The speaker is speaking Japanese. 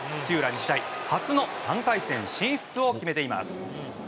日大初の３回戦進出を決めています。